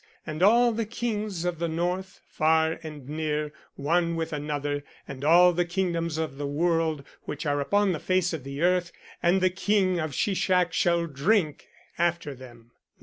And all the Kings of the north, far and near, one with another, and all the kingdoms of the world, which are upon the face of the earth: and the King of Sheshak shall drink after them.